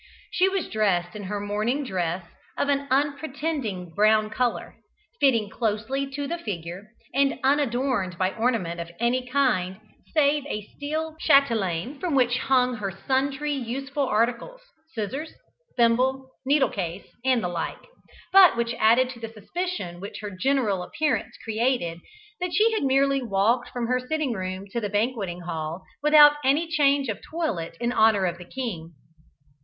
She was dressed in her morning dress of an unpretending brown colour, fitting closely to the figure, and unadorned by ornament of any kind save a steel chatelaine, from which hung sundry useful articles, scissors, thimble, needlecase and the like; but which added to the suspicion which her general appearance created, that she had merely walked from her sitting room to the banquetting hall without any change of toilet in honour of the king.